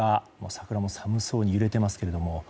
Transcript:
桜も寒そうに揺れていますが。